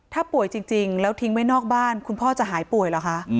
ถ้าป่วยจริงแล้วทิ้งไว้นอกบ้านคุณพ่อจะหายป่วยเหรอคะ